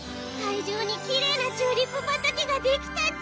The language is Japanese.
いじょうにきれいなチューリップばたけができたち！